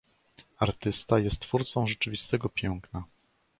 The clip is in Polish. Artysta jest twórcą rzeczywistego piękna.